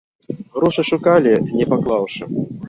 Грошы шукалі, не паклаўшы.